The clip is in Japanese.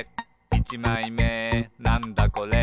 いちまいめなんだこれ？」